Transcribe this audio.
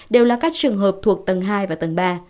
đều là các trường hợp thuộc tầng hai và tầng ba